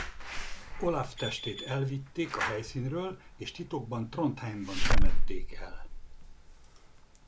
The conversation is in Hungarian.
Olaf testét elvitték a helyszínről és titokban Trondheimban temették el.